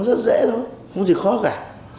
rất dễ thôi không gì khó cả